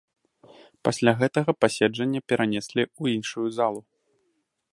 Пасля гэтага пасяджэнне перанеслі ў іншую залу.